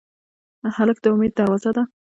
هلک د امید دروازه ده.